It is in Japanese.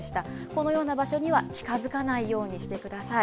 このような場所には近づかないようにしてください。